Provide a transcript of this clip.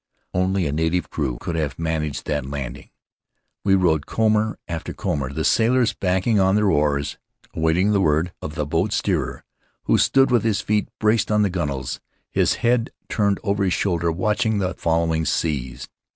Only a native crew could have man aged that landing. We rode comber after comber, the sailors backing on their oars, awaiting the word of the boat steerer, who stood with his feet braced on the gunwales, his head turned over his shoulder, watch ing the following seas.